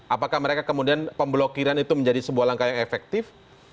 apakah mereka kemudian pemblokiran itu menjadi sebuah langkah yang efektif